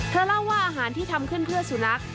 เล่าว่าอาหารที่ทำขึ้นเพื่อสุนัข